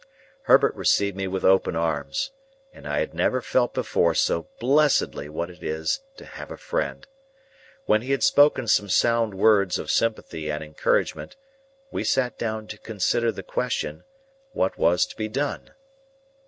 Herbert received me with open arms, and I had never felt before so blessedly what it is to have a friend. When he had spoken some sound words of sympathy and encouragement, we sat down to consider the question, What was to be done?